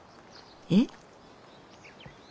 えっ？